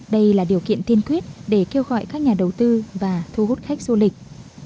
đây là điều kiện tiên quyết để kêu gọi các nhà đầu tư và thu hút khách du lịch